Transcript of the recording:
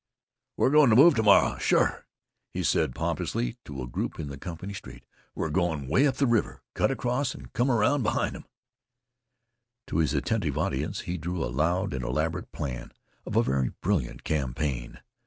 "We're goin' t' move t'morrah sure," he said pompously to a group in the company street. "We're goin' 'way up the river, cut across, an' come around in behint 'em." To his attentive audience he drew a loud and elaborate plan of a very brilliant campaign.